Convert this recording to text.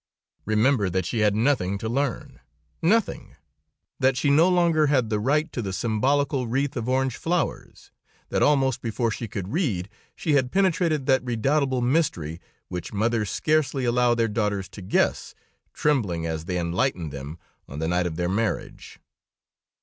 Remember that she had nothing to learn, nothing; that she no longer had the right to the symbolical wreath of orange flowers; that almost before she could read, she had penetrated that redoubtable mystery, which mothers scarcely allow their daughters to guess, trembling as they enlighten them, on the night of their marriage.